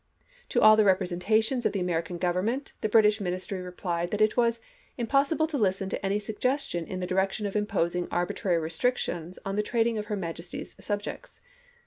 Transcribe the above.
To all the representations of the American Government the British Ministry replied that it was "impossible to listen to any suggestions in the direction of imposing arbitrary restrictions on the trading of her Majesty's subjects.